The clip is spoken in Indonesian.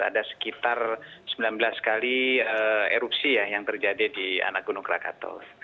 ada sekitar sembilan belas kali erupsi ya yang terjadi di anak gunung krakato